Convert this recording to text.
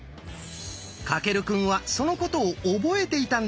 翔くんはそのことを覚えていたんです。